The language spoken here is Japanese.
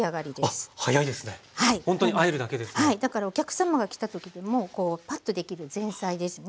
だからお客さまが来た時でもこうパッとできる前菜ですね